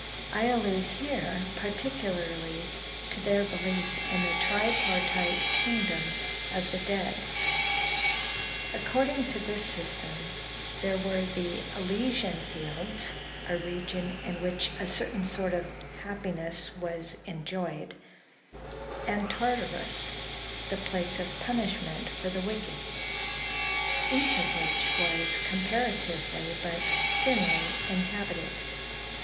I allude here particularly to their belief in the tripartite kingdom of the dead. According to this system, there were the Elysian fields, a region in which a certain sort of happiness was enjoyed; and Tartarus, the place of punishment for the wicked; each of which was, comparatively, but thinly inhabited.